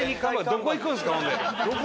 どこ行くんですか？